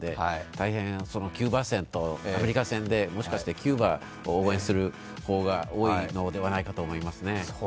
大変、キューバ戦とアメリカ戦でもしかししてキューバを応援する方が多いのではないかと思います。